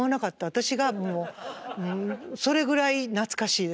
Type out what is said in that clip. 私がもうそれぐらい懐かしいです。